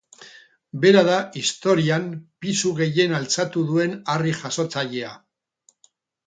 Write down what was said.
Bera da historian pisu gehien altxatu duen harri-jasotzailea.